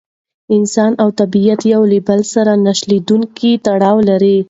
انسان او طبیعت یو له بل سره نه شلېدونکی تړاو لري.